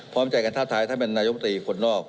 พร้อมใจกันทาบทายท่านเป็นนายมตรีคนนอก